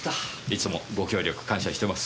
いつもご協力感謝してます。